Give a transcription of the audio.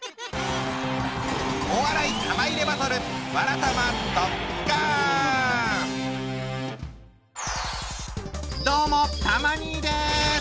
お笑い玉入れバトルどうもたま兄です！